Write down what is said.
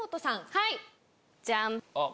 はいジャン！